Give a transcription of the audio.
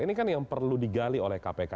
ini kan yang perlu digali oleh kpk